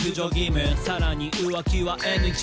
「さらに浮気はＮＧ」